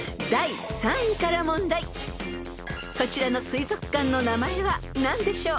［こちらの水族館の名前は何でしょう？］